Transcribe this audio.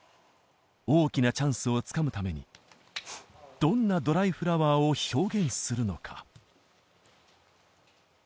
大きなチャンスをつかむためにどんな『ドライフラワー』を表現するのか？